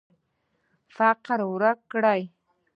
فقر ورک کړو.